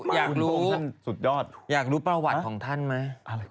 อยากรู้อยากรู้ประวัติของท่านไม๊